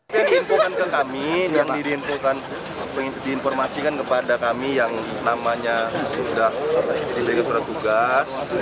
diimpulkan ke kami yang diimpulkan diinformasikan kepada kami yang namanya sudah diberi peratugas